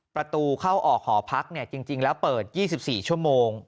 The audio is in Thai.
ประตูเข้าออกหอพักจริงแล้วเปิด๒๔ชั่วโมง